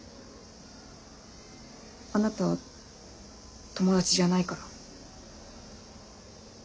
あなたは友達じゃないから。